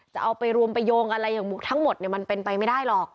จะเอาไปรวมไปโยงอะไรอย่างทั้งหมดมันเป็นไปไม่ได้หรอก